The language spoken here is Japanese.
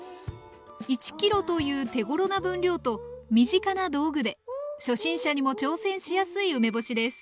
１ｋｇという手ごろな分量と身近な道具で初心者にも挑戦しやすい梅干しです